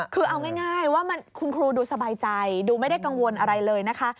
คือเอาง่ายว่าคุณครูดูสบายใจดูไม่ได้กังวลอะไรเลยนะคะ